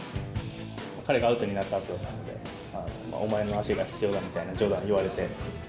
彼がアウトになったあとだったので、お前の足が必要だみたいな冗談を言われて。